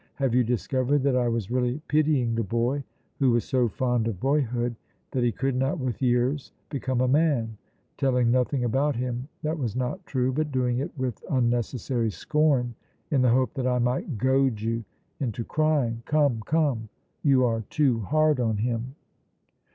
Have you discovered that I was really pitying the boy who was so fond of boyhood that he could not with years become a man, telling nothing about him that was not true, but doing it with unnecessary scorn in the hope that I might goad you into crying: "Come, come, you are too hard on him!"